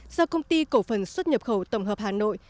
do công ty cổ phần xuất nhập khẩu tổng hợp hà nội